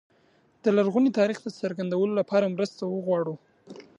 د لرغوني تاریخ د څرګندولو لپاره مرسته وغواړو.